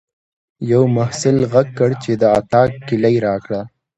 یوه محصل غږ کړ چې د اطاق کیلۍ راکړه.